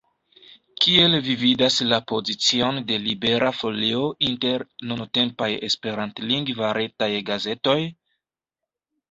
Kiel vi vidas la pozicion de Libera Folio inter nuntempaj esperantlingvaj retaj gazetoj?